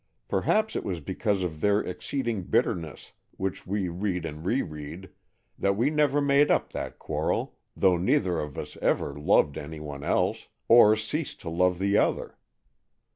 Perhaps it was because of their exceeding bitterness, which we read and reread, that we never made up that quarrel, though neither of us ever loved any one else, or ceased to love the other.